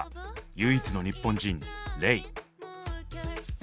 唯一の日本人レイ。